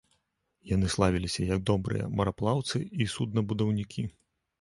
Яны славіліся як добрыя мараплаўцы і суднабудаўнікі.